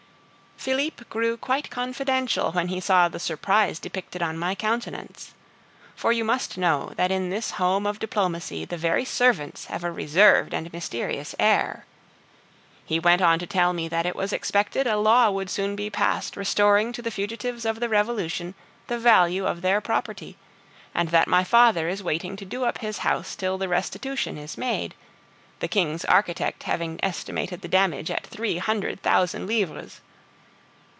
Philippe grew quite confidential when he saw the surprise depicted on my countenance. For you must know that in this home of diplomacy the very servants have a reserved and mysterious air. He went on to tell me that it was expected a law would soon be passed restoring to the fugitives of the Revolution the value of their property, and that my father is waiting to do up his house till this restitution is made, the king's architect having estimated the damage at three hundred thousand livres.